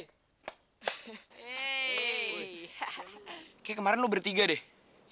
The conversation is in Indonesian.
kayaknya kemarin lo bertiga deh